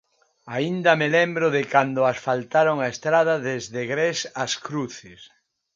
Aínda me lembro de cando asfaltaron a estrada desde Gres ás Cruces